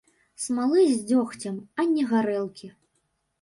Смалы з дзёгцем, а не гарэлкі.